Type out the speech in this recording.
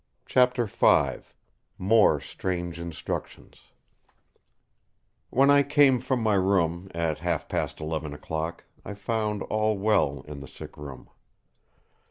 Chapter V More Strange Instructions When I came from my room at half past eleven o'clock I found all well in the sick room.